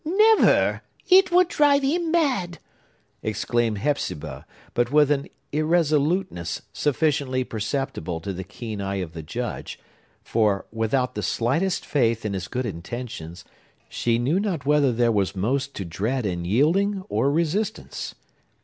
"Never!—it would drive him mad!" exclaimed Hepzibah, but with an irresoluteness sufficiently perceptible to the keen eye of the Judge; for, without the slightest faith in his good intentions, she knew not whether there was most to dread in yielding or resistance.